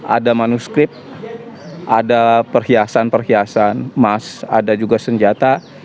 ada manuskrip ada perhiasan perhiasan emas ada juga senjata